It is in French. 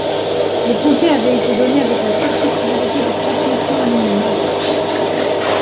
Le comté avait été donné avec la seule possibilité de transmission en ligne mâle.